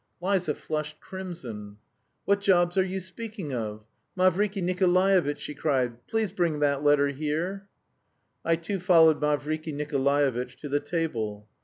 Liza flushed crimson. "What jobs are you speaking of? Mavriky Nikolaevitch," she cried, "please bring that letter here." I too followed Mavriky Nikolaevitch to the table.